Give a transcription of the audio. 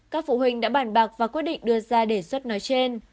các phụ huynh đã bản bạc và quyết định đưa ra đề xuất nói trên